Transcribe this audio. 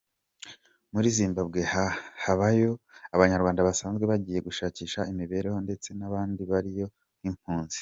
Muri Zimbabwe habayo abanyarwanda basanzwe bagiye gushakisha imibereho ndetse n’abandi bariyo nk’impunzi.